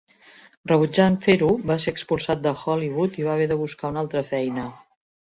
Rebutjant fer-ho, va ser expulsat de Hollywood i va haver de buscar una altra feina.